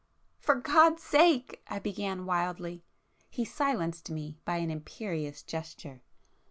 "For God's sake ...!" I began wildly. He silenced me by an imperious gesture.